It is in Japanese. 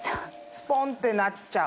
スポンってなっちゃう？